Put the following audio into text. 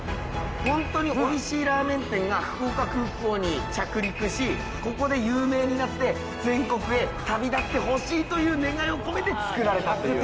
ほんとに美味しいラーメン店が福岡空港に着陸しここで有名になって全国へ旅立ってほしいという願いを込めて作られたという。